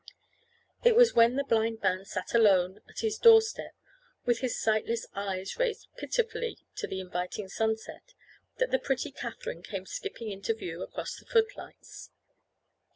It was when the blind man sat alone at his door step, with his sightless eyes raised pitifully to the inviting sunset, that the pretty Katherine came skipping into view across the footlights.